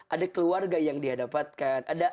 ada keluarga yang dia dapatkan